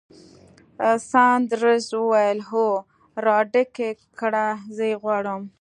ساندرز وویل: هو، راډک یې کړه، زه یې غواړم.